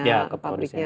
ya ke produsennya